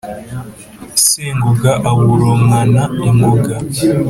sengoga aburonkana ingoga,